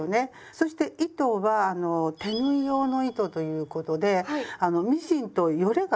そして糸は手縫い用の糸ということであのミシンと撚れが逆なんです。